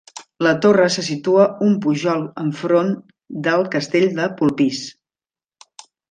La torre se situa un pujol enfront del castell de Polpís.